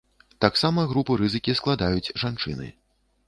Таксама групу рызыкі складаюць жанчыны.